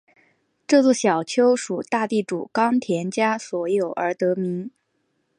这座小丘属大地主冈田家所有而得名。